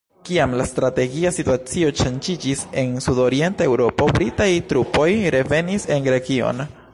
Kiam la strategia situacio ŝanĝiĝis en sudorienta Eŭropo, Britaj trupoj revenis en Grekion.